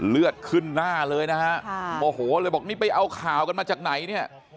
เลือดขึ้นหน้าเลยนะฮะโมโหเลยบอกนี่ไปเอาข่าวกันมาจากไหนเนี่ย